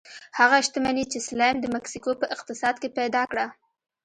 هغه شتمني چې سلایم د مکسیکو په اقتصاد کې پیدا کړه.